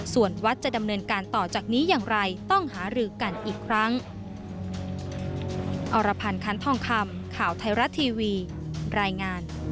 ส่วนวัดจะดำเนินการต่อจากนี้อย่างไรต้องหารือกันอีกครั้ง